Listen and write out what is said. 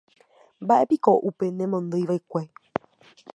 Mbaʼéiko upe nemondýivaʼekue.